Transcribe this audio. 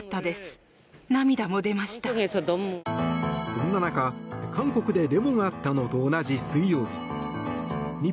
そんな中、韓国でデモのがあったのと同じ水曜日